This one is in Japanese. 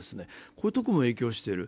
こういうところも影響している。